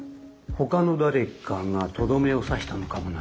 ほかの誰かがとどめを刺したのかもな。